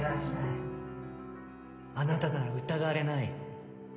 あなたなら疑われない。